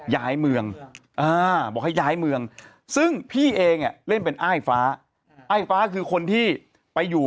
ย้ายเมืองบอกให้ย้ายเมืองซึ่งพี่เองเล่นเป็นอ้ายฟ้าอ้ายฟ้าคือคนที่ไปอยู่